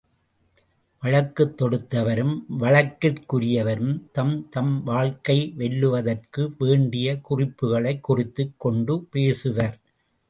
வழக்குத் தொடுத்தவரும் வழக்கிற்குரியவரும் தம் தம் வழக்கை வெல்லுவதற்கு வேண்டிய குறிப்புக்களைக் குறித்துக் கொண்டு பேசுவர்.